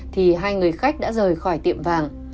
thì hai người khách đã rời khỏi tiệm vàng